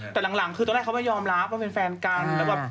แต่หลังคือตอนแรกเขาไม่ยอมรับว่าเป็นแฟนกันแล้วแบบ